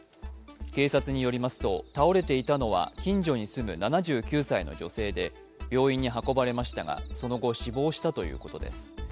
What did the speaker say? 警察によりますと、倒れていたのは近所に住む７９歳の女性で病院に運ばれましたがその後、死亡したということです。